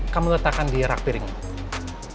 kamu letakkan di rak piring